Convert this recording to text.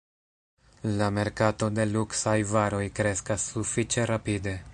La merkato de luksaj varoj kreskas sufiĉe rapide.